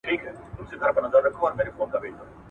مثبت چلند ماشوم ته مهارتونه ښيي.